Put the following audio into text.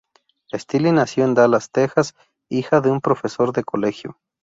Steele nació en Dallas, Texas, hija de un profesor de colegio.